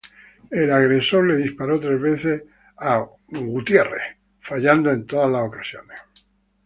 El agresor le disparó tres veces a Grahame, fallando en todas las ocasiones.